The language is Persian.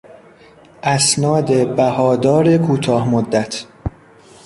اسناد بهادار کوتاه مدت